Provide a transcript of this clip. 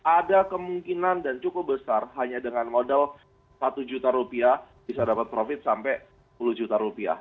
ada kemungkinan dan cukup besar hanya dengan modal satu juta rupiah bisa dapat profit sampai sepuluh juta rupiah